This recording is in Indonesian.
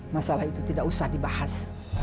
masalah itu tidak usah dibahas